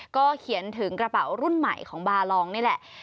ก็เขียนถึงกระเป๋ารุ่นใหม่ของบาลองนี่แหละ